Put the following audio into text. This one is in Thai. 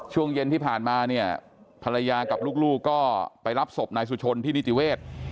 ช่วงเย็นที่ผ่านมาเนี่ยภรรยากับลูกก็ไปรับศพนายสุชนที่นิติเวศ